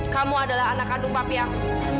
kamu adalah anak kandung papi aku